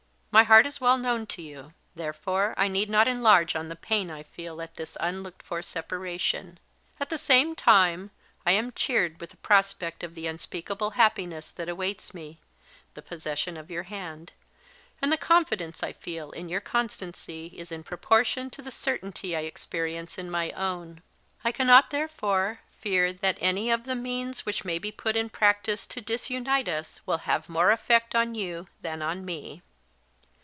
My heart is well known to you; therefore I need not enlarge on the pain I feel at this unlooked for separation. At the same time, I am cheered with the prospect of the unspeakable happiness that awaits me the possession of your hand; and the confidence I feel in your constancy is in proportion to the certainty I experience in my own; I cannot, therefore, fear that any of the means which may be put in practice to disunite us will have more effect on you than on me.